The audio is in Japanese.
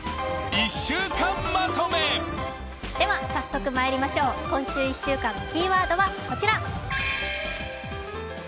早速まいりましょう、今週１週間のキーワードはこちら。